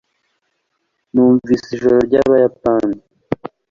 numvise ijoro ryabayapani